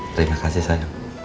terima kasih sayang